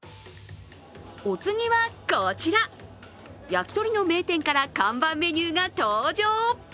お次はこちら、焼き鳥の名店から看板メニューが登場。